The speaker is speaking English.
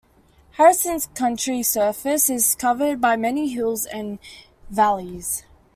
Harrison County's surface is covered by many hills and valleys.